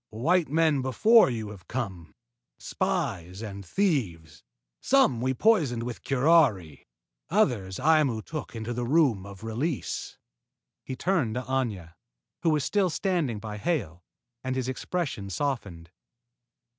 "White men before you have come: spies and thieves. Some we poisoned with curari. Others Aimu took into the Room of Release." He turned to Aña, who was still standing by Hale, and his expression softened.